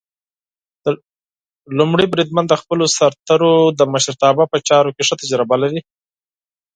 لومړی بریدمن د خپلو سرتېرو د مشرتابه په چارو کې ښه تجربه لري.